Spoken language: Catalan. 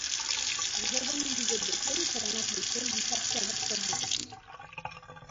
Reserva'm un bitllet de tren per anar a Creixell dissabte a dos quarts de tres.